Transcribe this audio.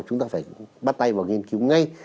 chúng ta phải bắt tay vào nghiên cứu ngay